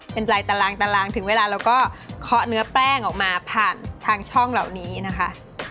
เป็นลายตารางตารางถึงเวลาเราก็เคาะเนื้อแป้งออกมาผ่านทางช่องเหล่านี้นะคะ